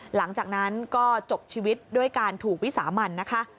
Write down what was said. หลังจากนั้นก็จบชีวิตด้วยการถูกวิสามันนะคะ